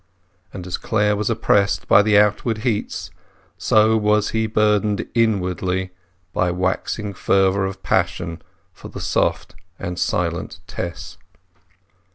And as Clare was oppressed by the outward heats, so was he burdened inwardly by waxing fervour of passion for the soft and silent Tess.